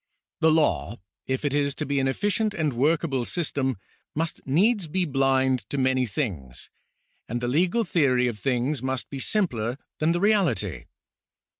The law, if it is to be an efficient and workable system, must needs be blind to many things, and the legal theory of things must be simpler than the reality.